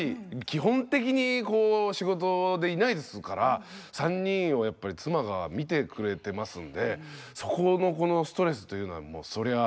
基本的にこう仕事でいないですから３人をやっぱり妻が見てくれてますんでそこのストレスというのはそりゃあ感じはします。